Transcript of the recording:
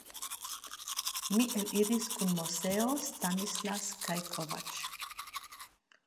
Mi eliris kun Moseo, Stanislas kaj Kovacs.